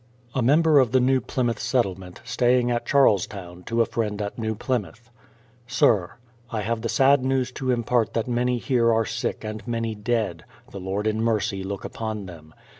A member of the New Plymouth Settlement, staying at Charles town, to a friend at New Plymouth: Sir, I have the sad news to impart that many here are sick and many dead, — the Lord in mercy look upon them.